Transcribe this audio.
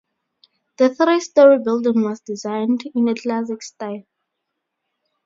The three-storey building was designed in a classic style.